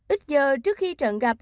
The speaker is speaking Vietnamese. ít giờ trước khi trận gặp